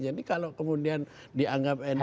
jadi kalau kemudian dianggap nu itu